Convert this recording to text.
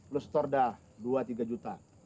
lo setor dah dua tiga juta